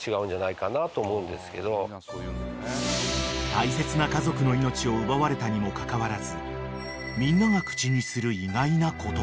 ［大切な家族の命を奪われたにもかかわらずみんなが口にする意外な言葉］